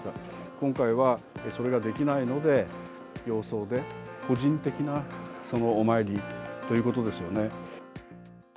今回はそれができないので、洋装で個人的なそのお参りということですよね。